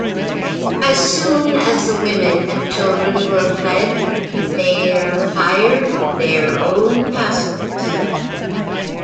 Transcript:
As soon as the women and children were fled, their fired their own Castles.